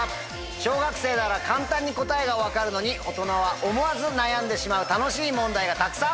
小学生なら簡単に答えが分かるのに大人は思わず悩んでしまう楽しい問題がたくさん。